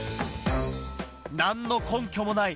何の根拠もない